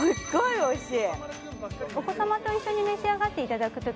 おいしい？